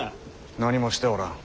何もしておらん。